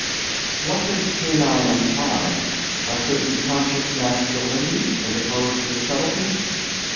"What does canine imply? A certain conscious masculinity as opposed to subtlety?"